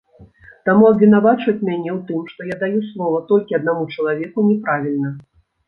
Таму абвінавачваць мяне ў тым, што я даю слова толькі аднаму чалавеку, не правільна.